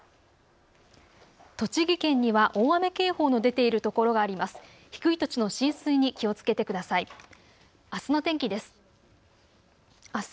栃木県には大雨警報の出ている所があります。